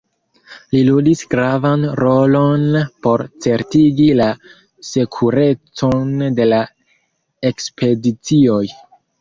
Li ludis gravan rolon por certigi la sekurecon de la ekspedicioj.